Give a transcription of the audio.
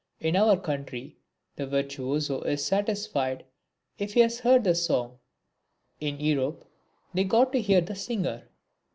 In our country the virtuoso is satisfied if he has heard the song; in Europe, they go to hear the singer.